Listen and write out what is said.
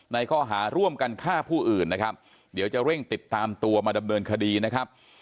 ข้อหาร่วมกันฆ่าผู้อื่นนะครับเดี๋ยวจะเร่งติดตามตัวมาดำเนินคดีนะครับ